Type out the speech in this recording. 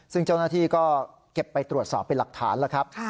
ซึ่งเจ้าหน้าที่ก็เก็บไปตรวจสอบเป็นหลักฐานแล้วครับ